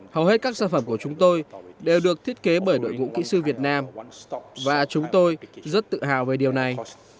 hầu hết các sản phẩm của chúng tôi đều được thiết kế bởi đội ngũ kỹ sư việt nam và chúng tôi rất tự hào về điều này